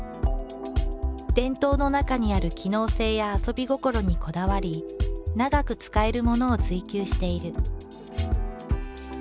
伝統の中にある機能性や遊び心にこだわり長く使えるものを追求している。